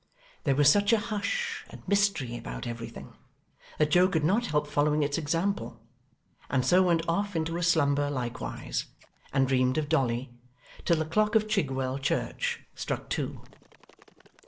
There was such a hush and mystery about everything, that Joe could not help following its example; and so went off into a slumber likewise, and dreamed of Dolly, till the clock of Chigwell church struck two.